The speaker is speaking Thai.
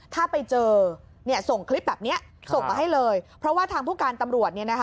ถ้าไปเจอเนี่ยส่งคลิปแบบเนี้ยส่งก็ให้เลยเพราะว่าทางผู้การตำหลวดเนี้ยนะคะ